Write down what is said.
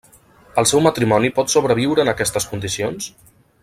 El seu matrimoni pot sobreviure en aquestes condicions?